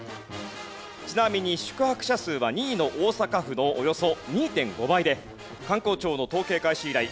ちなみに宿泊者数は２位の大阪府のおよそ２．５倍で観光庁の統計開始以来１６年連続１位。